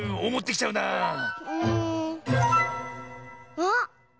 あっ！